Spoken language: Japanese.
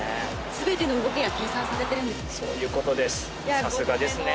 全ての動きが計算されているんですね。